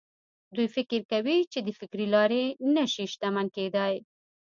دوی فکر کوي چې د فکري لارې نه شي شتمن کېدای.